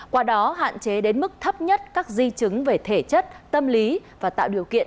qua đó hạn chế đến mức thấp nhất các di chứng về thể chất tâm lý và tạo điều kiện